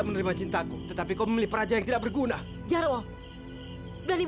selesaikan perbahayaan ini